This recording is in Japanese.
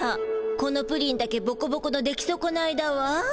このプリンだけボコボコの出来そこないだわ。